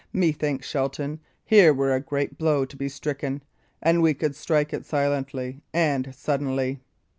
Methinks, Shelton, here were a great blow to be stricken, an we could strike it silently and suddenly."